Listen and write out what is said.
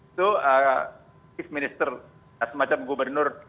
itu chief minister dan semacam gubernur